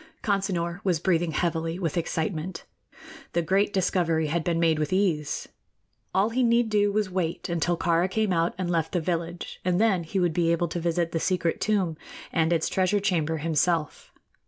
Consinor was breathing heavily with excitement. The great discovery had been made with ease. All he need do was to wait until Kāra came out and left the village, and then he would be able to visit the secret tomb and its treasure chamber himself.